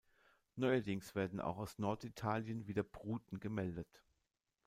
Neuerdings werden auch aus Norditalien wieder Bruten gemeldet.